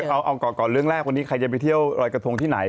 เอาก่อนก่อนเรื่องแรกวันนี้ใครจะไปเที่ยวรอยกระทงที่ไหน